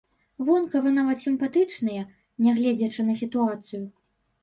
Вонкава нават сімпатычныя, нягледзячы на сітуацыю.